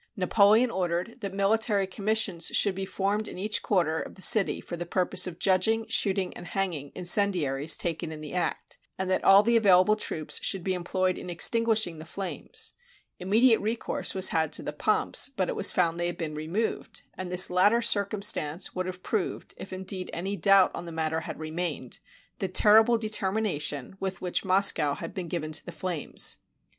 Napoleon ordered that military commissions should be formed in each quarter of the city for the purpose of judging, shooting, and hanging, incendiaries taken in the act; and that all the available troops should be employed in extinguishing the flames. Immediate recourse was had to the pumps, but it was found they had been removed; and this latter circumstance would have proved, if in deed'any doubt on the matter had remained, the terrible determination with which Moscow had been given to the flames.